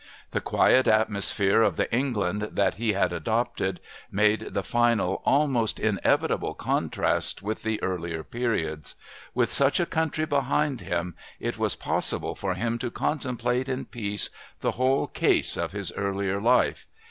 The quiet atmosphere of the England that he had adopted made the final, almost inevitable contrast with the earlier periods. With such a country behind him it was possible for him to contemplate in peace the whole "case" of his earlier life.